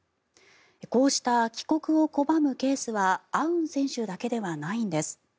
こうした帰国を拒むケースはアウン選手だけではないんです。